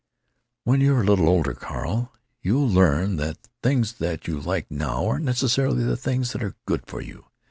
"When you're a little older, Carl, you'll learn that the things you like now aren't necessarily the things that are good for you.